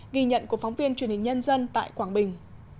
ghi nhận của phóng viên truyền hình nhân dân tại quảng bình